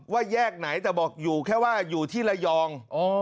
ว่าแยกไหนแต่บอกอยู่แค่ว่าอยู่ที่ระยอง